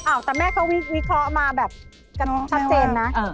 แต่แม่เขาวิเคราะห์มาแบบกันชัดเจนนะ